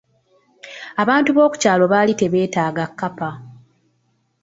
Abantu b'okukyalo baali tebeetaaga kkapa.